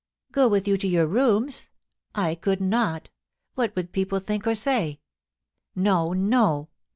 * Go with you to your rooms ? I could not What would people think or say ? No, no.